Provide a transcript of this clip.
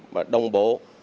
và đồng bộ